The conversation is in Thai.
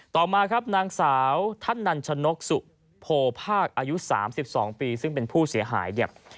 ต่อมาครับนางสาวท่านนันชนกสุโพภาคอายุ๓๒ปีซึ่งเป็นผู้เสียหายเนี่ย